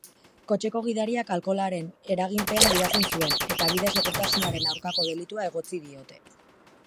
Kotxeko gidariak alkoholaren eraginpean gidatzen zuen eta bide-segurtasunaren aurkako delitua egotzi diote.